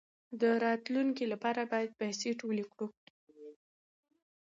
د راتلونکي لپاره باید پیسې ټولې کړو.